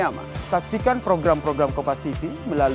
silakan have a look at kompas tv program program kompas tv di siaran digital